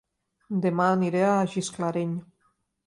Dema aniré a Gisclareny